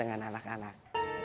bersama dengan anak anak